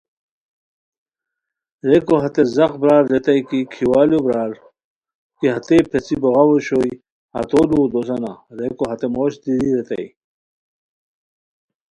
ریکو ہتے زاق برار ریتائے کی کیوالیو برار کی ہتے پیڅھی بوغاؤ اوشوئے ہتو لوؤ دوسانا؟ ریکو ہتے موش دی ریتائے